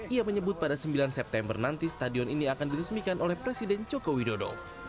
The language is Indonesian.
ia menyebut pada sembilan september nanti stadion ini akan diresmikan oleh presiden joko widodo